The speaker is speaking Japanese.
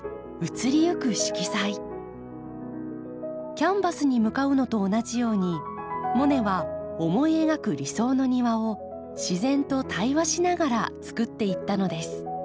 キャンバスに向かうのと同じようにモネは思い描く理想の庭を自然と対話しながらつくっていったのです。